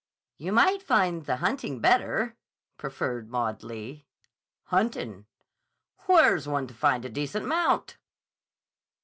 "You might find the hunting better," proffered Maud Lee. "Huntin'? Where's one to find a decent mount?"